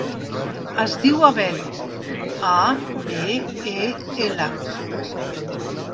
Es diu Abel: a, be, e, ela.